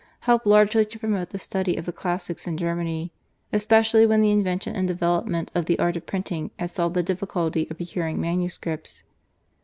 helped largely to promote the study of the classics in Germany, especially when the invention and development of the art of printing had solved the difficulty of procuring manuscripts.